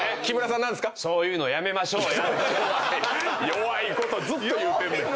弱いことずっと言うてんねん。